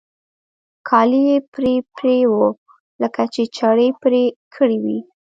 كالي يې پرې پرې وو لکه په چړې پرې كړي وي.